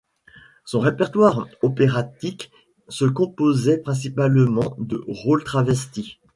Son répertoire opératique se composait principalement de rôles travestis.